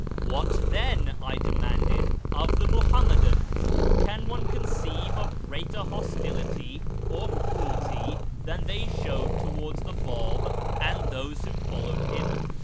" What, then," I demanded, " of the Muhammadans ? Can one conceive of greater hostility or cruelty than they showed towards the Bab and those who followed him